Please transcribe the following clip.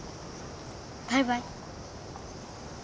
バイバイ。